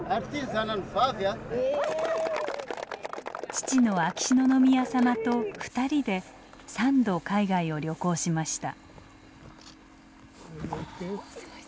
父の秋篠宮さまと２人で３度海外を旅行しました。